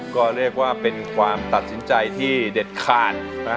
ก็เรียกว่าเป็นความตัดสินใจที่เด็ดขาด